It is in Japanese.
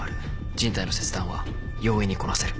人体の切断は容易にこなせる。